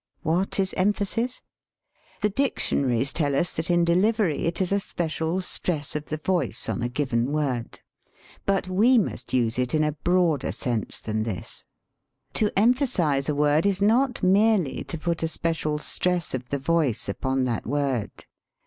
What is emphasis? The diction aries tell us that, in delivery, it is a special stress of the voice on a given word. But we must use it in a broader sense than this. To emphasize a word is not merely to put a special stress of the voice upon that word.